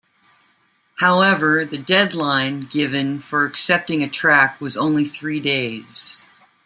However, the deadline given for accepting a track was only three days.